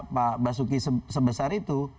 pak basuki sebesar itu